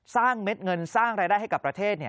เม็ดเงินสร้างรายได้ให้กับประเทศ